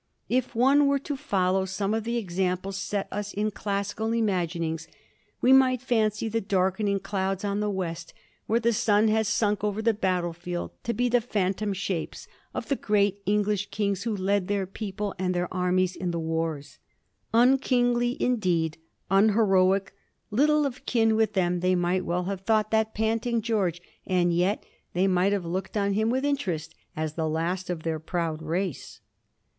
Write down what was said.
If one were to follow some of the examples set us in classical imaginings, we might fancy the darkening clouds on the west, where the sun has sunk over the battle field, to be the phantom shapes of the great English kings who led their people and their armies in the wars. Un kingly, indeed unheroic, little of kin with them they might well have thought that panting George; and yet they might have looked on him with interest as the last of their proud race.